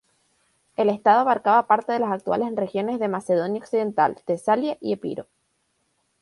El estado abarcaba parte de las actuales regiones de Macedonia Occidental, Tesalia y Epiro.